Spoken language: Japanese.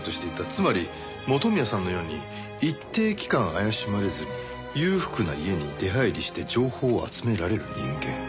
つまり元宮さんのように一定期間怪しまれずに裕福な家に出入りして情報を集められる人間。